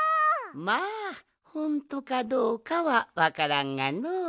まあほんとかどうかはわからんがのう。